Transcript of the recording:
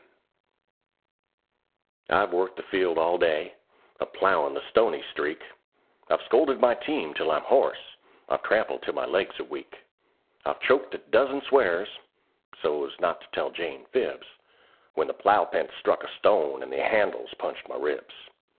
JOHN: I'VE worked in the field all day, a plowin' the "stony streak;" I've scolded my team till I'm hoarse; I've tramped till my legs are weak; I've choked a dozen swears (so's not to tell Jane fibs) When the plow p'int struck a stone and the handles punched my ribs.